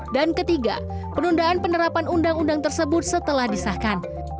dan ketiga penundaan penerapan ruu tersebut setelah disahkan